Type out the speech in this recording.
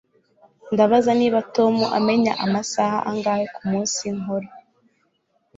Ndabaza niba Tom amenya amasaha angahe kumunsi nkora